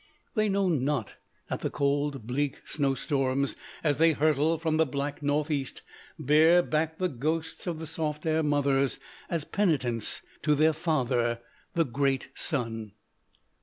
They know not that the cold bleak snow storms, as they hurtle from the black northeast, bear back the ghosts of the soft air mothers, as penitents, to their father, the great sun.